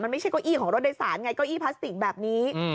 มันไม่ใช่เก้าอี้ของรถโดยสารไงเก้าอี้พลาสติกแบบนี้